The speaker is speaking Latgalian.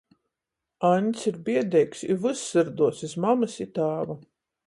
Aņds ir biedeigs i vys syrduos iz mamys i tāva.